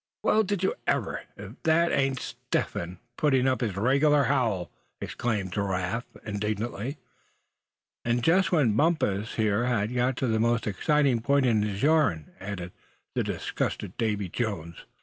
"Well, did you ever, if that ain't Step Hen putting up his regular howl!" exclaimed Giraffe, indignantly. "And just when Bumpus here had got to the most exciting point in his yarn," added the disgusted Davy Jones.